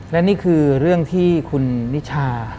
และนี่คือเรื่องที่คุณนิชา